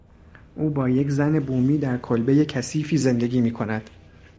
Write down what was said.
او با یک زن بومی در کلبهی کثیفی زندگی میکند.